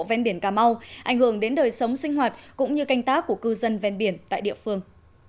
ven biển cà mau ảnh hưởng đến đời sống sinh hoạt cũng như canh tác của cư dân ven biển tại địa phương